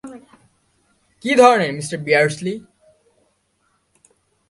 কি ধরণের, মিস্টার বিয়ার্ডসলি?